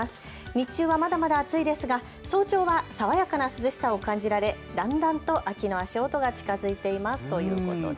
日中はまだまだ暑いですが早朝は爽やかな涼しさを感じられだんだんと秋の足音が近づいていますということです。